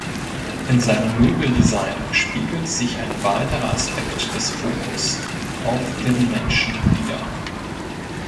In seinem Möbeldesign spiegelt sich ein weiterer Aspekt des Fokus auf den Menschen wider.